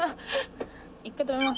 一回止めます。